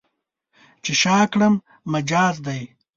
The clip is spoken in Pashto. چې شا کړم، مجاز دی.